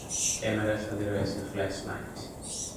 ক্যামেরার সাথে রয়েছে ফ্ল্যাশ লাইট।